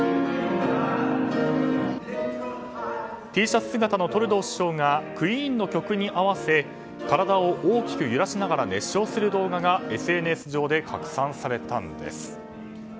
Ｔシャツ姿のトルドー首相がクイーンの曲に合わせ体を大きく揺らしながら熱唱する動画がＳＮＳ上で拡散されたんです。